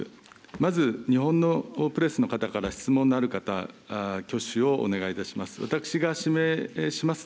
まず、日本のプレスの方から質問のある方、挙手をお願いいたします。